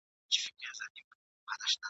او د ده شپې به خالي له انګولا وي ..